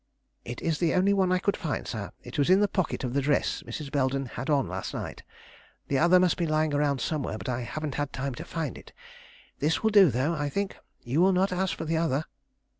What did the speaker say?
"It is the only one I could find, sir. It was in the pocket of the dress Mrs. Belden had on last night. The other must be lying around somewhere, but I haven't had time to find it. This will do, though, I think. You will not ask for the other."